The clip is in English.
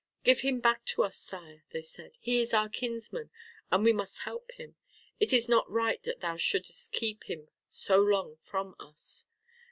"Give him back to us, Sire," they said, "he is our kinsman, and we must help him. It is not right that thou shouldest keep him so long from us."